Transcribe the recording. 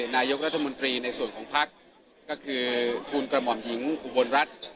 นายกรัฐมนตรีในส่วนของภักดิ์ก็คือทุนกระหม่อมหญิงอุบลรัฐ